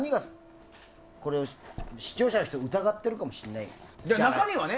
視聴者の人は疑ってるかもしれない。